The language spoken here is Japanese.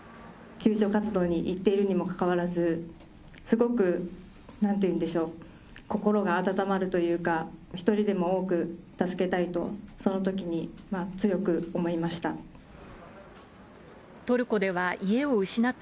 救助活動に行っているにもかかわらず、すごくなんて言うんでしょう、心が温まるというか、一人でも多く助けたいと、そのときに強く思いました。